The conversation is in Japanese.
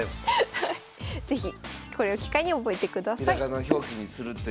是非これを機会に覚えてください。